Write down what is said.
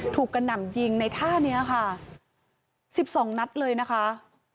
ถูกกระหน่ำยิงในท่านี้นะคะสิบสองนัดเลยนะคะ